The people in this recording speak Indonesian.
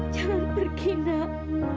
jangan pergi nak